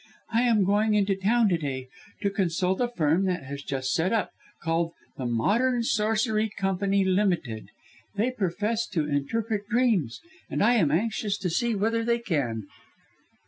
I am going into Town to day to consult a firm that has just set up, called the Modern Sorcery Company Ltd. They profess to interpret dreams, and I am anxious to see whether they can."